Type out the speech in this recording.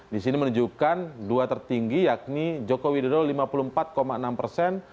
di sini menunjukkan dua tertinggi yakni joko widodo lima puluh empat enam persen